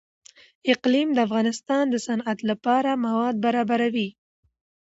اقلیم د افغانستان د صنعت لپاره مواد برابروي.